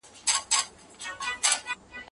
ملا ځواب ورکړ چې نه یم ویده.